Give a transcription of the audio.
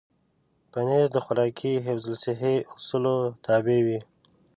پنېر د خوراکي حفظ الصحې اصولو تابع وي.